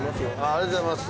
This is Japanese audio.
ありがとうございます。